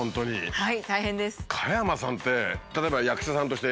はい！